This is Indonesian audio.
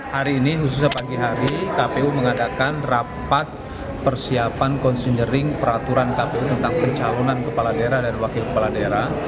hari ini khususnya pagi hari kpu mengadakan rapat persiapan konsenering peraturan kpu tentang pencalonan kepala daerah dan wakil kepala daerah